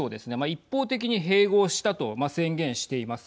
一方的に併合したと宣言しています。